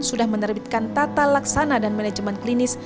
sudah menerbitkan tata laksana dan manajemen klinis